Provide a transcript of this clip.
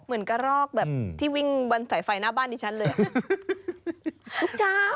เหมือนกระรอกแบบที่วิ่งบนสายไฟหน้าบ้านดิฉันเลย